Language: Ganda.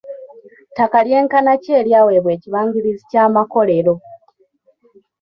Ttaka lyenkana ki eryaweebwa ekibangirizi ky'amakolero.